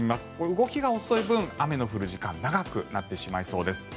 動きが遅い分、雨の降る時間長くなってしまいそうです。